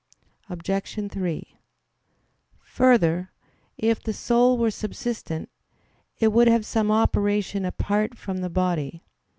Obj. 3: Further, if the soul were subsistent, it would have some operation apart from the body.